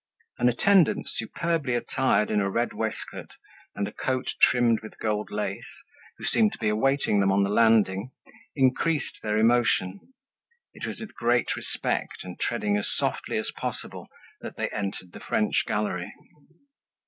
An attendant, superbly attired in a red waistcoat and a coat trimmed with gold lace, who seemed to be awaiting them on the landing, increased their emotion. It was with great respect, and treading as softly as possible, that they entered the French Gallery.